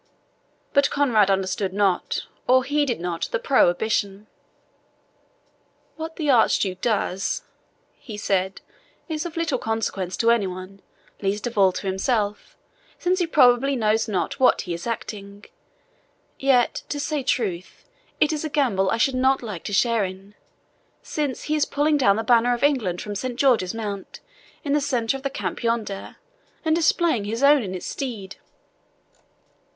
But Conrade understood not, or heeded not, the prohibition. "What the Archduke does," he said, "is of little consequence to any one, least of all to himself, since he probably knows not what he is acting; yet, to say truth, it is a gambol I should not like to share in, since he is pulling down the banner of England from Saint George's Mount, in the centre of the camp yonder, and displaying his own in its stead."